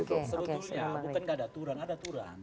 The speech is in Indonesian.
sebetulnya bukan tidak ada aturan ada aturan